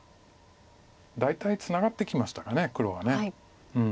大体ツナがってきましたか黒は。